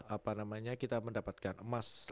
apa namanya kita mendapatkan emas